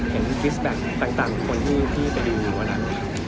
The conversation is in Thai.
เห็นแปลงต่างกับคนที่ไปดูวันนั้น